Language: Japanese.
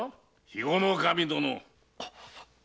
肥後守殿。